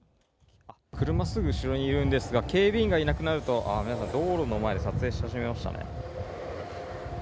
車、すぐ後ろにいるんですが、警備員がいなくなると、ああ、皆さん道路の前で撮影し始めましたね。